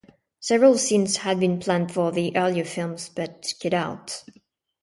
Several scenes had been planned for the earlier films but cut out.